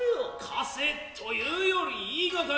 貸せというより言いがかり。